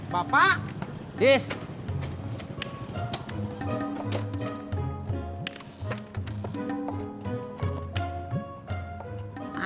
nyak bisa sehat